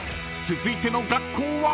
［続いての学校は！？］